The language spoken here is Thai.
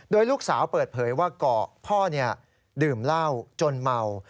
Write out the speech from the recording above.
โดยลูกสาวเปิดเผยว่าพ่อดื่มเหล้าจนเมา